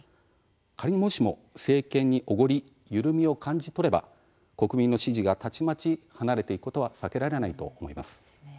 仮に、もしも、政権におごり緩みを感じ取れば、国民の支持がたちまち離れていくことは避けられないと思います。